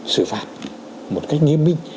sử phạt một cách nghiêm minh